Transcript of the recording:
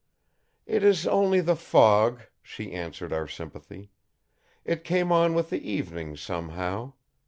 "It is only the fog," she answered our sympathy. "It came on with the evening, somehow.